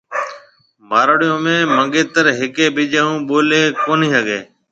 مارواڙيون ۾ مونگيتر ھيَََڪيَ ٻِيجيَ ھون ٻوليَ ڪونِي ھگيَ